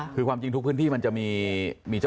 คือตรงนี้เนี่ย